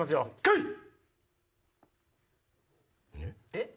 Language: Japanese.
えっ？